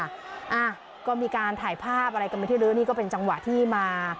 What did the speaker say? อ่ะก็มีการถ่ายภาพอะไรกันไปที่ลื้อนี่ก็เป็นจังหวะที่มา